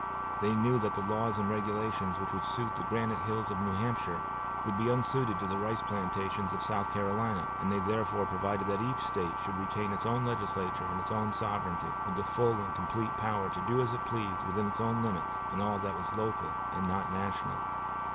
They knew that the laws and regulations which would suit the granite hills of New Hampshire would be unsuited to the rice plantations of South Carolina; and they therefore provided that each State should retain its own legislature and its own sovereignty, with the full and complete power to do as it pleased within its own limits, in all that was local and not national.